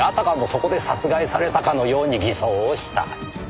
そこで殺害されたかのように偽装をした。